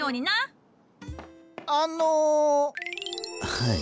はい。